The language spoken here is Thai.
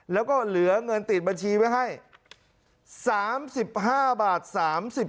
แล้วก็เหลือเงินติดบัญชีไว้ให้๓๕บาท